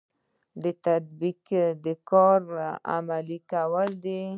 تطبیق د کار عملي کول دي